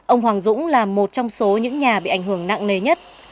ông hoàng dũng là một trong số những nhà bị ảnh hưởng nặng nề nhất